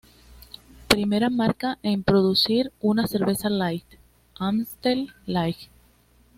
Primera marca en producir una cerveza light: Amstel Light.